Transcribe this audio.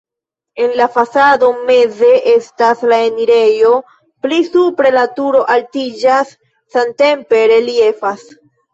En la fasado meze estas la enirejo, pli supre la turo altiĝas, samtempe reliefas.